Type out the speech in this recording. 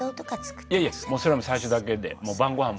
いやいやもうそれは最初だけで晩ごはん晩ごはんばっかり。